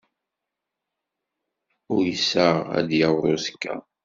Uyseɣ ad d-yaweḍ uzekka.